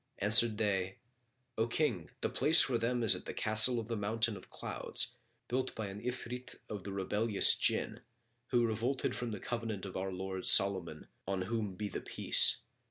Answered they, 'O King, the place for them is the Castle of the Mountain of Clouds, built by an Ifrit of the rebellious Jinn, who revolted from the covenant of our lord Solomon, on whom be the Peace!